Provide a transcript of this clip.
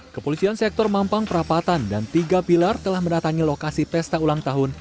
kepolisian sektor mampang perapatan dan tiga pilar telah mendatangi lokasi pesta ulang tahun